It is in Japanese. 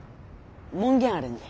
門限あるんで。